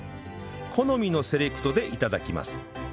好みのセレクトで頂きます